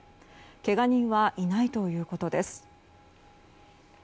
けが人はいないということです。